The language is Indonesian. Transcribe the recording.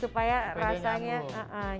supaya rasanya nyambung